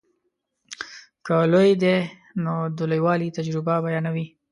که لوی دی نو د لویوالي تجربه بیانوي.